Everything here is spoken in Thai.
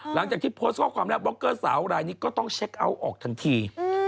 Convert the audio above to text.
หลังจากที่โพสต์ข้อความแรกบ็อกเกอร์สาวรายนี้ก็ต้องเช็คเอาท์ออกทันที